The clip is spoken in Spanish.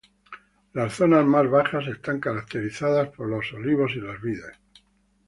Las zonas más bajas están caracterizadas por los olivo y las vides.